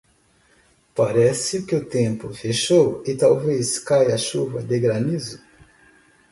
Parece que o tempo fechou e talvez caia chuva de granizo